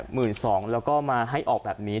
หมื่นสองแล้วก็มาให้ออกแบบนี้